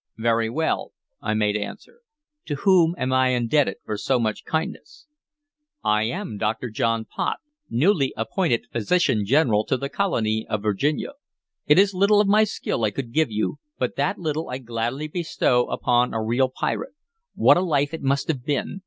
"Very well," I made answer. "To whom am I indebted for so much kindness?" "I am Dr. John Pott, newly appointed physician general to the colony of Virginia. It is little of my skill I could give you, but that little I gladly bestow upon a real pirate. What a life it must have been!